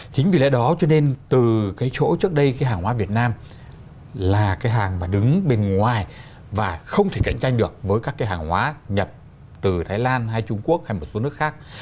chính vì lẽ đó cho nên từ cái chỗ trước đây cái hàng hóa việt nam là cái hàng mà đứng bên ngoài và không thể cạnh tranh được với các cái hàng hóa nhập từ thái lan hay trung quốc hay một số nước khác